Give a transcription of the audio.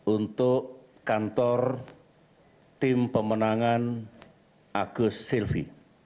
untuk kantor tim pemenangan agus silvi